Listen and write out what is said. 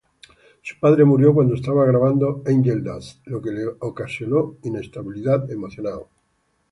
Su padre murió cuando estaba grabando Angel Dust, lo que le ocasionó inestabilidad emocional.